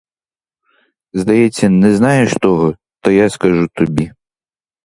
Здається, не знаєш того, та я скажу тобі.